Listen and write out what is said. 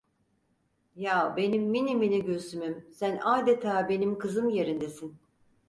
Ya, benim minimini Gülsüm'üm, sen adeta benim kızım yerindesin…